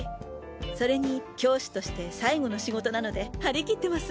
それに教師として最後の仕事なので張り切ってます！